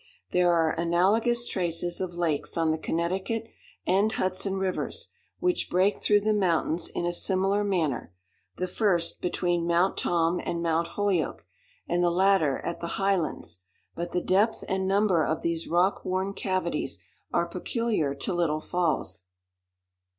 There are analogous traces of lakes on the Connecticut and Hudson rivers, which break through the mountains in a similar manner, the first between Mount Tom and Mount Holyoke, and the latter at the Highlands; but the depth and number of these rock worn cavities are peculiar to Little Falls.